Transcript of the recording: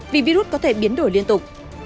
vì virus có thể biến đổi liên tục